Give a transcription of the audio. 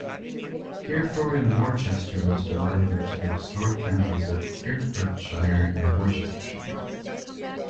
Hereford and Worcester was divided into the restored counties of Herefordshire and Worcestershire.